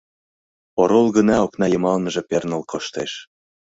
Орол гына окна йымалныже перныл коштеш.